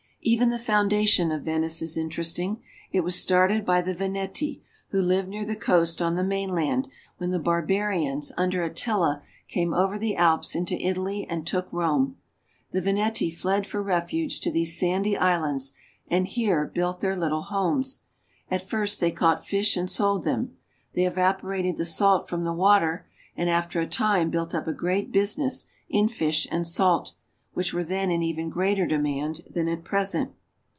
Even the foundation of Venice is interesting. It was started by the Veneti, who lived near the coast on the main land, when the barbarians under Attila came over the Alps into Italy and took Rome. The Veneti fled for refuge to these sandy islands, and here built their little homes. At first they caught fish and sold them. They evaporated the salt from the water, and after a time built up a great busi ness in fish and salt, which were then in even greater demand than at present.